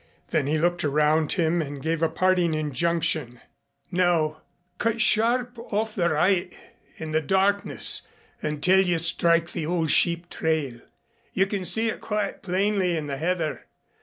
Then he looked around him and gave a parting injunction. "Now cut sharp off to the right in the darkness until you strike the old sheep trail. You can see it quite plainly in the heather.